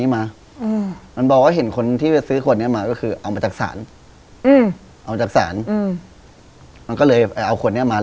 มันไปซื้อขวดนี้มา